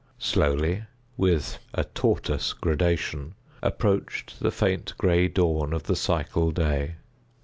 Slowly—with a tortoise gradation—approached the faint gray dawn of the psychal day.